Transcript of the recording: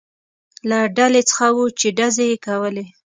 له ډلې څخه و، چې ډزې یې کولې.